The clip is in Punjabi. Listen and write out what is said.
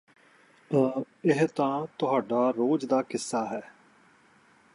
ਅ ਇਹ ਤਾਂ ਤੁਹਾਡਾ ਰੋਜ਼ ਦਾ ਕਿੱਸਾ ਹੈ